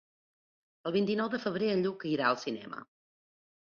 El vint-i-nou de febrer en Lluc irà al cinema.